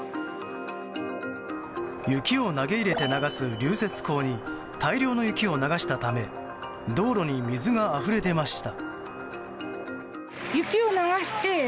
雪を投げ入れて流す流雪溝に大量の雪を流したため道路に水があふれ出ました。